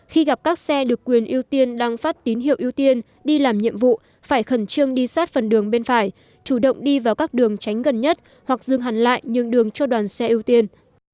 khi gặp các xe được quyền ưu tiên đang phát tín hiệu ưu tiên đi làm nhiệm vụ phải khẩn trương đi sát phần đường bên phải chủ động đi vào các đường tránh gần nhất hoặc dừng hẳn lại nhường đường cho đoàn xe ưu tiên